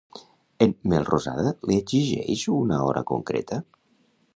En Melrosada li exigeix una hora concreta?